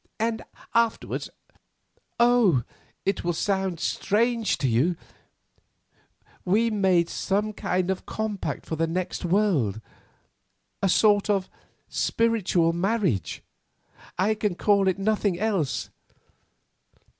"And afterwards—oh! it will sound strange to you—we made some kind of compact for the next world, a sort of spiritual marriage; I can call it nothing else.